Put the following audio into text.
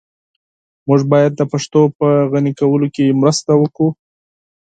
موږ بايد د پښتو په غني کولو کي مرسته وکړو.